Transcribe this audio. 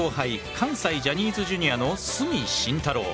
関西ジャニーズＪｒ．の角紳太郎。